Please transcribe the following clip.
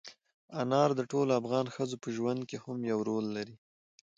انار د ټولو افغان ښځو په ژوند کې هم یو رول لري.